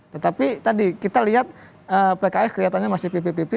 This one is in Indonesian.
tetapi tadi kita lihat pks kelihatannya masih pipi pipi